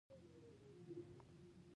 زړه د رازونو ډک دی.